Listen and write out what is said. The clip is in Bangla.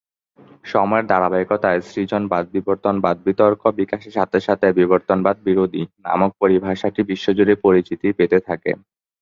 সময়ের ধারাবাহিকতায় সৃজনবাদ-বিবর্তনবাদ বিতর্ক বিকাশের সাথে সাথে, "বিবর্তনবাদ-বিরোধী" নামক পরিভাষাটি বিশ্বজুড়ে পরিচিতি পেতে থাকে।